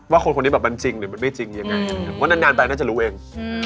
ว่าคนคนนี้มันจริงหรือมันไม่จริงยังไงว่านานไปน่าจะรู้เอง